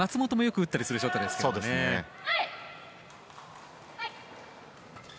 永原がよく打ったり松本もよく打ったりするショットですけどね。